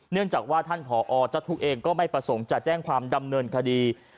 เนื่องจากว่าท่านผอเจ้าทุกข์เองก็ไม่ประสงค์จะแจ้งความดำเนินคดี